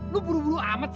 lo buru buru amat sih